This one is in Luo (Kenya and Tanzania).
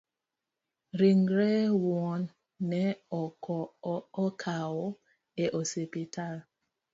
Ringre wuon ne okawo e osiptal